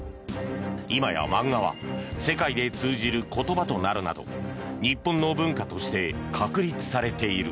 今や漫画は世界で通じる言葉となるなど日本の文化として確立されている。